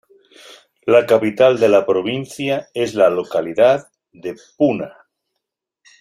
La capital de la provincia es la localidad de Puna.